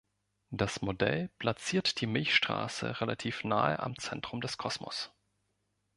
Das Modell platziert die Milchstraße relativ nahe am Zentrum des Kosmos.